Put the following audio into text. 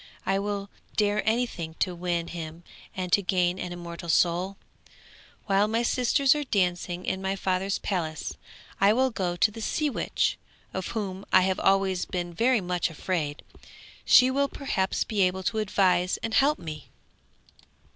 I will dare anything to win him and to gain an immortal soul! While my sisters are dancing in my father's palace I will go to the sea witch, of whom I have always been very much afraid; she will perhaps be able to advise and help me!'